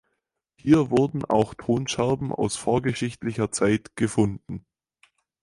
Hier wurden auch Tonscherben aus vorgeschichtlicher Zeit gefunden.